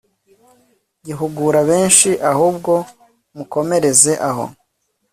gihugura benshi, ahubwo mukomereze, aho